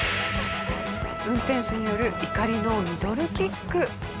運転手による怒りのミドルキック。